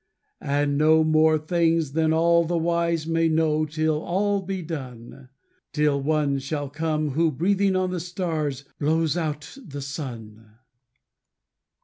And know more things than all the wise may know Till all be done; Till One shall come who, breathing on the stars, Blows out the sun.